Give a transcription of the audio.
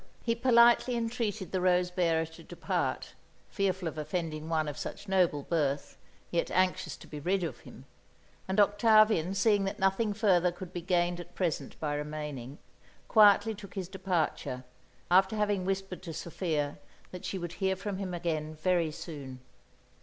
He politely entreated the rose bearer to depart, fearful of offending one of such noble birth, yet anxious to be rid of him; and Octavian, seeing that nothing further could be gained at present by remaining, quietly took his departure, after having whispered to Sophia that she would hear from him again very soon.